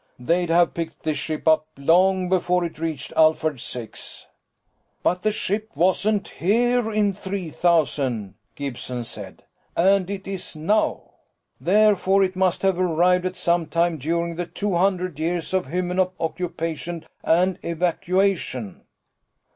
They'd have picked this ship up long before it reached Alphard Six." "But the ship wasn't here in 3000," Gibson said, "and it is now. Therefore it must have arrived at some time during the two hundred years of Hymenop occupation and evacuation."